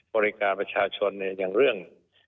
บริการประชาชนอย่างเรื่อง